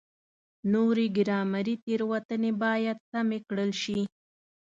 نورې ګرامري تېروتنې باید سمې کړل شي.